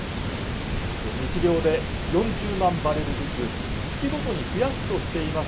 日量で４０万バレルずつ、月ごとに増やすとしています